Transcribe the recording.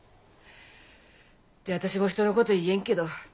って私も人のこと言えんけど。